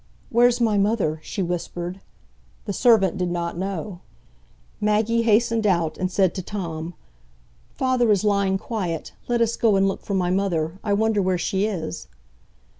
"Where's my mother?" she whispered. The servant did not know. Maggie hastened out, and said to Tom; "Father is lying quiet; let us go and look for my mother. I wonder where she is."